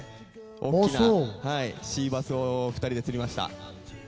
大きなシーバスを２人で釣りました。